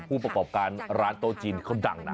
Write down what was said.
ผู้ประกอบการร้านโต๊ะจีนเขาดังนะ